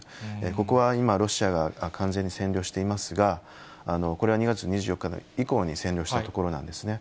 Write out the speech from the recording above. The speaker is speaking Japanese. ここは今、ロシアが完全に占領していますが、これは２月２４日以降に占領した所なんですね。